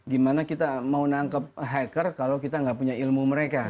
gimana kita mau nangkep hacker kalau kita nggak punya ilmu mereka